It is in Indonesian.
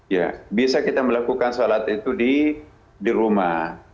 ya bisa kita melakukan sholat itu di rumah